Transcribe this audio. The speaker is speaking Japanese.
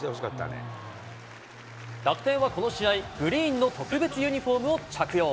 楽天はこの試合、グリーンの特別ユニホームを着用。